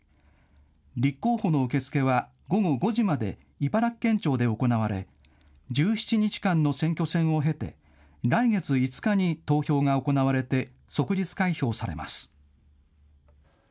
立候補の受け付けは午後５時まで茨城県庁で行われ、１７日間の選挙戦を経て来月５日に投票が行われて即日開票されます。